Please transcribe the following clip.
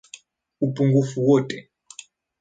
Upungufu wote.